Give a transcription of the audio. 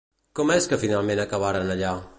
Com és que finalment acabaren allà?